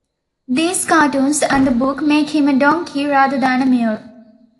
These cartoons and the book make him a donkey rather than a mule.